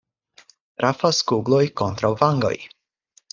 Trafas kugloj kontraŭ vangoj.